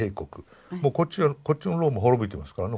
もうこっちはこっちのローマ滅びてますからね。